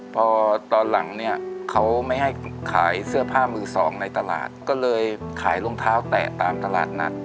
พอตอนหลังเนี่ยเขาไม่ให้ขายเสื้อผ้ามือสองในตลาดก็เลยขายรองเท้าแตะตามตลาดนัด